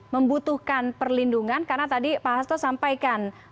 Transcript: membutuhkan perlindungan karena tadi pak hasto sampaikan